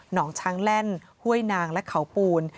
น้องช้างแล่นห้วยนางและเขาปูน